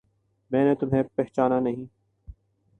میں نے تمہیں پہچانا نہیں